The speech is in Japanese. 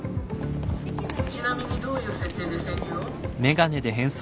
ちなみにどういう設定で潜入を？